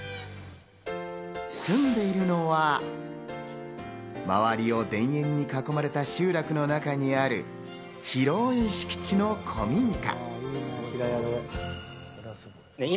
住んでいるのは周りを田園に囲まれた集落の中にある広い敷地の古民家。